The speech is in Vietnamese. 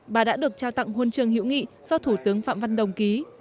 bà đã được trao tặng huân trường hữu nghị do thủ tướng phạm văn đồng ký